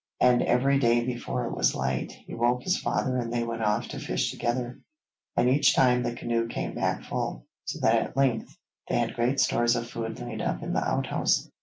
And every day before it was light, he woke his father and they went off to fish together, and each time the canoe came back full, so that at length they had great stores of food laid up in the outhouse.